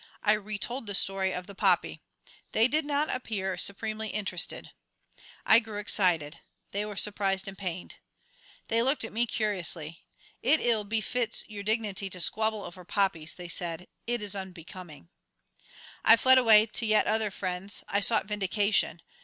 I retold the story of the poppy. They did not appear supremely interested. I grew excited. They were surprised and pained. They looked at me curiously. "It ill befits your dignity to squabble over poppies," they said. "It is unbecoming." I fled away to yet other friends. I sought vindication.